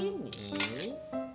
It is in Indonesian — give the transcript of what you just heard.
ini buat kami